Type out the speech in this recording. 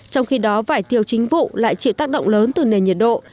trong khi đó vải thiêu chính vụ lại chịu tác động lớn từ nền nhiệt độ